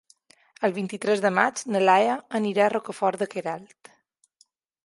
El vint-i-tres de maig na Laia anirà a Rocafort de Queralt.